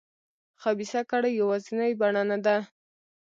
خبیثه کړۍ یوازینۍ بڼه نه ده.